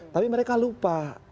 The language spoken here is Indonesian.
tapi mereka lupa